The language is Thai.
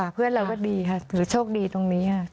เพื่อนเราก็ดีค่ะถือโชคดีตรงนี้ค่ะ